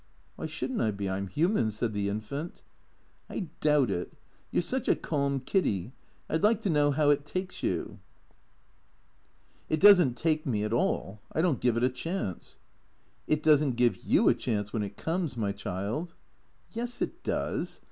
" Why should n't I be ? I 'm human," said the Infant. " I doubt it. You 're such a calm Kiddy. I 'd like to know how it takes you." " It does n't take me at all, I don't give it a chance." " It does n't give you a chance, when it comes, my child." " Yes, it does.